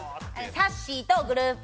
さっしーとグループ